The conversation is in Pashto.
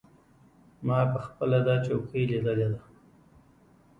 ما پخپله دا چوکۍ لیدلې ده.